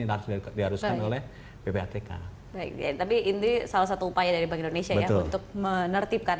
yang harus diharuskan oleh pptk tapi ini salah satu upaya dari bangun isya untuk menertibkan